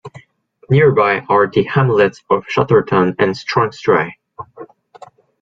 Nearby are the hamlets of Chatterton and Strongstry.